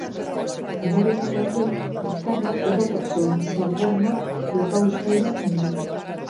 Gidarietako batek bizkarra urratua zuen, eta bigarrenak lepauztaia minduta.